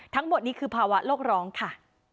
ทั้งหมดนี้คือภาวะโลกร้องค่ะ